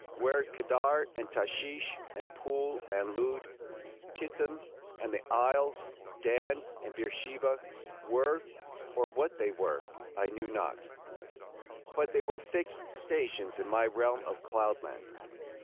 Where Kedar and Tashish and Pul and Lud, Chittim and the Isles, Dan and Beersheba, were, or what they were, I knew not, but they were fixed stations in my realm of cloud land.